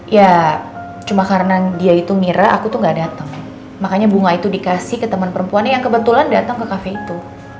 ya cuma karena dia itu mira aku tuh gak datang makanya bunga itu dikasih ke temen perempuannya yang kebetulan datang ke kafe itu